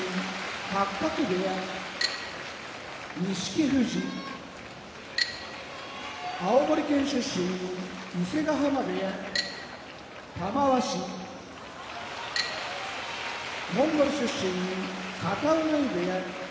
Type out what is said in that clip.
八角部屋錦富士青森県出身伊勢ヶ濱部屋玉鷲モンゴル出身片男波部屋